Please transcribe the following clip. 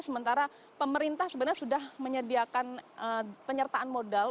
sementara pemerintah sebenarnya sudah menyediakan penyertaan modal